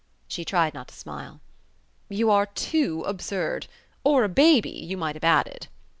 She tried not to smile. "You are too absurd. Or a baby, you might have added."